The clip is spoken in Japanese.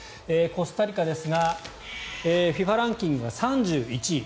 コスタリカですがＦＩＦＡランキングは３１位。